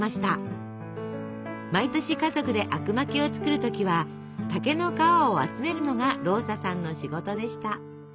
毎年家族であくまきを作る時は竹の皮を集めるのがローサさんの仕事でした。